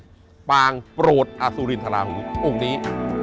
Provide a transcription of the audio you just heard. ปางโปรดอสุรินทราหูองค์นี้